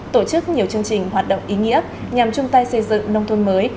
tổ chức nhiều chương trình hoạt động ý nghĩa nhằm chung tay xây dựng nông thôn mới